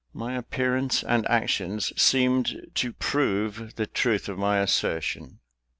My appearance and actions seemed to prove the truth of my assertion.